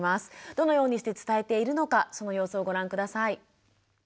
どのようにして伝えているのかその様子をご覧下さい。